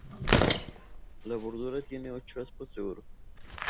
La bordura tiene ocho aspas de oro.